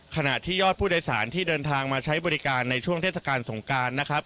ขณะที่ยอดผู้โดยสารที่เดินทางมาใช้บริการในช่วงเทศกาลสงการนะครับ